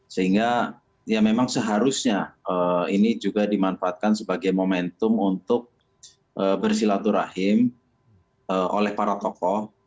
sehingga ya memang seharusnya ini juga dimanfaatkan sebagai momentum untuk bersilaturahim oleh para tokoh